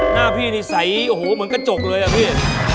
หน้าพี่นี่ใสโอ้โหเหมือนกระจกเลยอะพี่